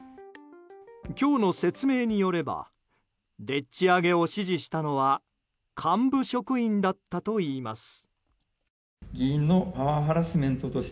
今日の説明によればでっち上げを指示したのは幹部職員だったといいます。